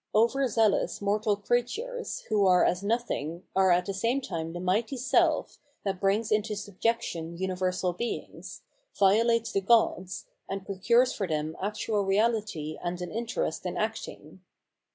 Over zealous mortal creatures, who are as nothing, are at the same time the mighty self that brings into subjection universal beings, violates the gods, and procures for them actual reality and an in terest in acting.